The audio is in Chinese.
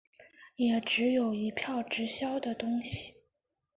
也只有一票直销的东西